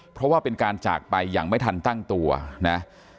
เพราะว่าเป็นการจากไปอย่างไม่ทันตั้งตัวนะ